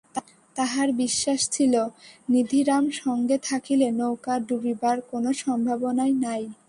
তাঁহার বিশ্বাস ছিল নিধিরাম সঙ্গে থাকিলে নৌকা ডুবিবার কোনো সম্ভাবনাই নাই।